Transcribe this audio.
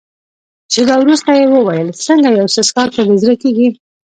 شېبه وروسته يې وویل: څنګه یو څه څیښاک ته دې زړه کېږي؟